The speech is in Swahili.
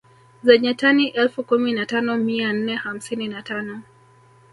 Zenye tani elfu kumi na tano mia nne hamsini na tano